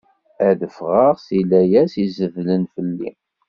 Ad d-ffɣeɣ seg layas i izedlen fell-i.